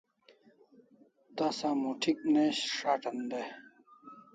Tasa muth'ik ne s'atan dai